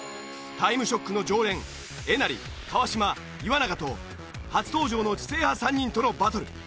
『タイムショック』の常連えなり川島岩永と初登場の知性派３人とのバトル。